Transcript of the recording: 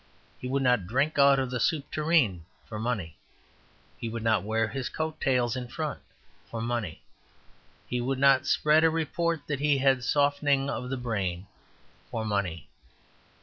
He would not drink out of the soup tureen, for money. He would not wear his coat tails in front, for money. He would not spread a report that he had softening of the brain, for money.